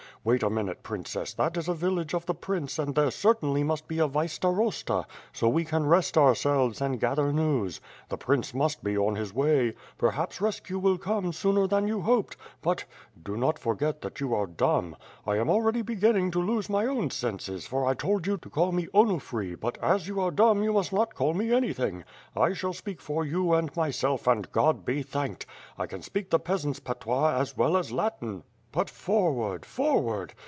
Wait a minute, princess, that is a village of the prince and there certainly must be a vice starosta, so we can rest ourselves and gather news. The prince must be on his way. Perhaps rescue will come sooner than you hoped; but^ do not forget that you are dumb. I am already beginning to lose my own senses, for I told you to call me Onufry but, as you are dumb, you must not call me anything; I shall speak for you and myself and God be thanked! I can speak the peasants' patois as well as Latin. But forward, forward!